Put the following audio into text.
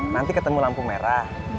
nanti ketemu lampu merah